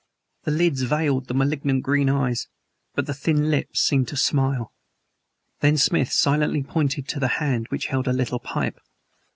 The lids veiled the malignant green eyes, but the thin lips seemed to smile. Then Smith silently pointed to the hand which held a little pipe.